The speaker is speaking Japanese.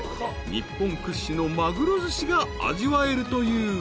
日本屈指のまぐろずしが味わえるという］